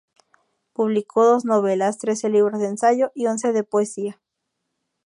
Publicó dos novelas, trece libros de ensayo y once de poesía.